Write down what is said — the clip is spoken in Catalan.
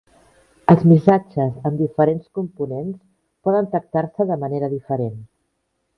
Els missatges amb diferents components poden tractar-se de manera diferent.